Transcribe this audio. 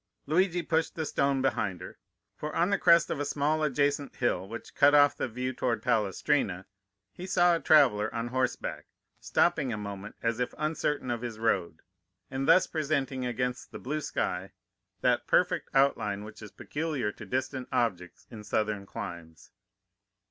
"Luigi pushed the stone behind her, for on the crest of a small adjacent hill which cut off the view toward Palestrina, he saw a traveller on horseback, stopping a moment, as if uncertain of his road, and thus presenting against the blue sky that perfect outline which is peculiar to distant objects in southern climes.